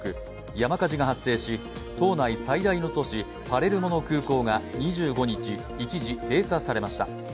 山火事が発生し、島内最大の都市パレルモの空港が２５日、一時閉鎖されました。